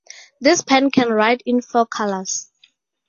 This pen can write in four colors.